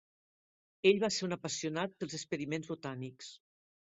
Ell va ser un apassionat pels experiments botànics.